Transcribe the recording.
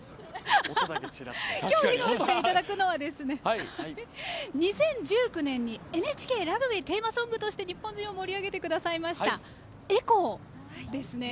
今日披露していただくのは２０１９年にＮＨＫラグビーテーマソングで日本中を盛り上げてくださいました「ＥＣＨＯ」ですね。